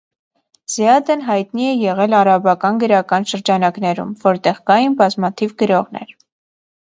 Զիադեն հայտնի է եղել արաբական գրական շրջանակներում, որտեղ կային բազմաթիվ գրողներ։